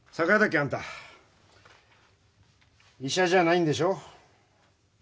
アンタ医者じゃないんでしょう？